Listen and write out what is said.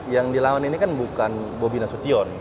yang dilawan ini kan bukan bobi nasution